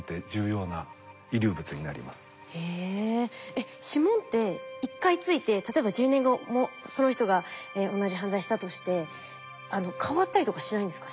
えっ指紋って一回付いて例えば１０年後もその人が同じ犯罪したとして変わったりとかしないんですか？